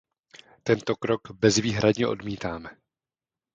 Tento krok bezvýhradně odmítáme.